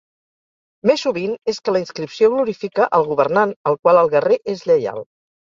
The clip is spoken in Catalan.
Més sovint és que la inscripció glorifica al governant al qual el guerrer és lleial.